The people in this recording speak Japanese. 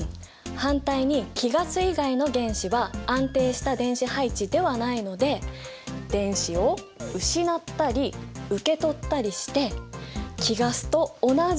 反対に貴ガス以外の原子は安定した電子配置ではないので電子を失ったり受け取ったりして貴ガスと同じ？